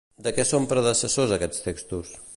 De què són predecessor aquests textos?